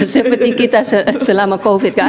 seperti kita selama covid kan